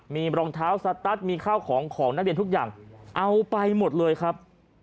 มีรองเท้าสตัสมีข้าวของของนักเรียนทุกอย่างเอาไปหมดเลยครับ